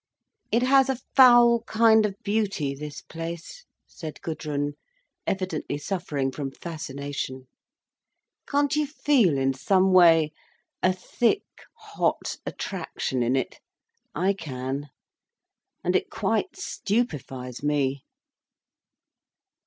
"It has a foul kind of beauty, this place," said Gudrun, evidently suffering from fascination. "Can't you feel in some way, a thick, hot attraction in it? I can. And it quite stupifies me."